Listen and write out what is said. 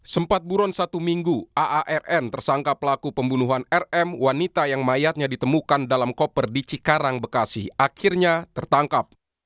sempat buron satu minggu aarn tersangka pelaku pembunuhan rm wanita yang mayatnya ditemukan dalam koper di cikarang bekasi akhirnya tertangkap